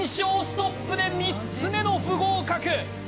ストップで３つ目の不合格